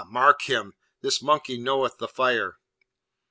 mark him! this monkey knoweth the fire!'